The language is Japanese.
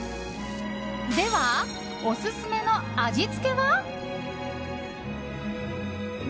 では、オススメの味付けは？